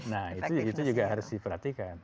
nah itu juga harus diperhatikan